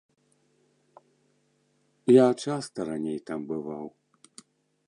Я часта раней там бываў.